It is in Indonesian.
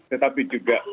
tetapi juga oleh hukum